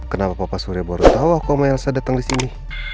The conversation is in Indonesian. kenapa papa surya baru tau aku sama elsa datang disini